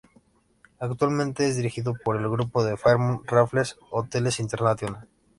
Actualmente es dirigido por el grupo de Fairmont Raffles Hotels International.